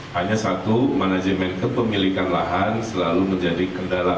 hanya satu manajemen kepemilikan lahan selalu menjadi kendala